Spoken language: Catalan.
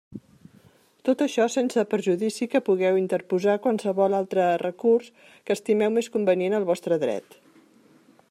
Tot això, sense perjudici que pugueu interposar qualsevol altre recurs que estimeu més convenient al vostre dret.